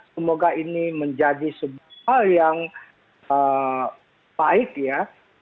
semoga ini menjadi sebuah hal yang baik ya